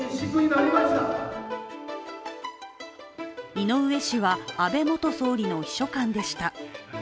井上氏は安倍元総理の秘書官でした。